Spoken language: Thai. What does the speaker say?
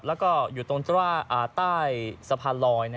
แล้วก็อยู่ตรงใต้สะพานลอย